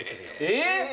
えっ！